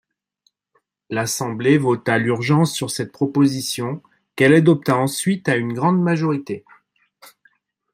L'Assemblée vota l'urgence sur cette proposition, qu'elle adopta ensuite à une grande majorité.